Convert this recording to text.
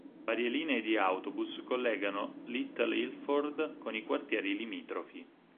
Varie linee di autobus collegano Little Ilford con i quartieri limitrofi.